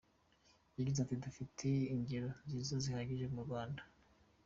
Yagize ati “Dufite ingero nziza zihagije mu Rwanda.